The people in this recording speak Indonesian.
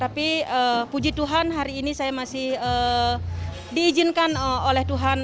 tapi puji tuhan hari ini saya masih diizinkan oleh tuhan